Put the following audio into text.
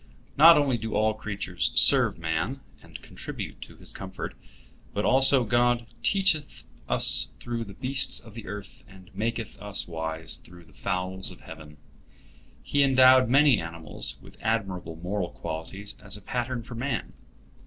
Not only do all creatures serve man, and contribute to his comfort, but also God "teacheth us through the beasts of the earth, and maketh us wise through the fowls of heaven." He endowed many animals with admirable moral qualities as a pattern for man.